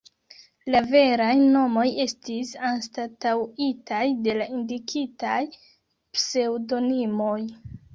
La veraj nomoj estis anstataŭitaj de la indikitaj pseŭdonimoj.